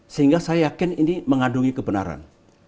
sehingga saya yakin ini mengandungi kebenaran